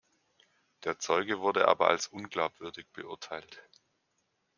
Der Zeuge wurde aber als unglaubwürdig beurteilt.